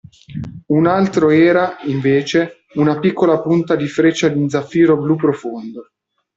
Un altro era, invece, una piccola punta di freccia in zaffiro blu profondo.